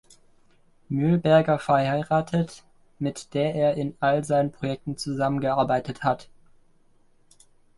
Mühlberger verheiratet, mit der er in all seinen Projekten zusammengearbeitet hat.